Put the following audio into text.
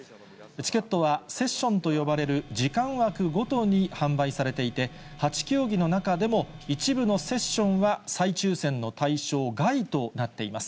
チケットはセッションと呼ばれる時間枠ごとに販売されていて、８競技の中でも一部のセッションは再抽せんの対象外となっています。